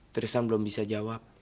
tristan belum bisa jawab